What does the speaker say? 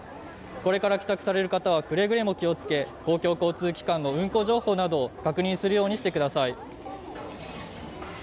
これから帰宅される方はくれぐれも気をつけ公共交通機関の運行情報などを確認するようにしてください。